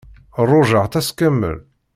Ṛujaɣ-tt ass kamel.